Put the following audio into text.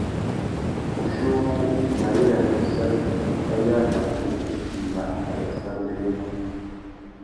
Wuchiuwú, nà wiranda-issaki, wa yānamú utimba ayássámbérénô.